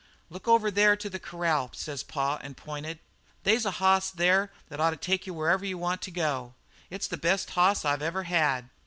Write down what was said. "'Look over there to the corral,' says pa, and pointed. 'They's a hoss that ought to take you wherever you want to go. It's the best hoss I've ever had.'